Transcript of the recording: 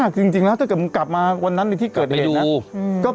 จริงจริงแล้วถ้าเกิดมึงกลับมาวันนั้นในที่เกิดเหตุนะกลับไปดูก็